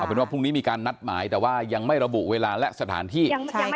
เป็นว่าพรุ่งนี้มีการนัดหมายแต่ว่ายังไม่ระบุเวลาและสถานที่